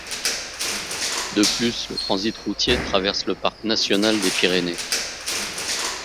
De plus le transit routier traverse le Parc national des Pyrénées.